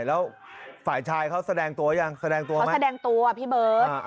แล้วฝ่ายชายเขาแสดงตัวยังแสดงตัวเขาแสดงตัวพี่เบิร์ต